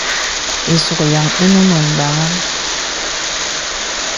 Ìsùk yàŋ ìnə mə daŋaŋ.